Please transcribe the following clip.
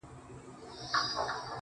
• گراني فريادي دي بـېــگـــاه وويل.